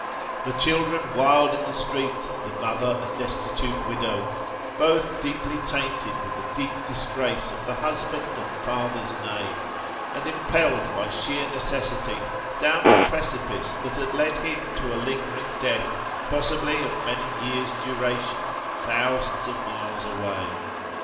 The children wild iu the streets, the mother a destitute widow ; both deeply tainted with the deep disgrace of the husband and father's 58 Sketches by Bos. name, and impelled by sheer necessity, down the precipice that had led him to a lingering death, possibly of many years' duration, thousands of miles away.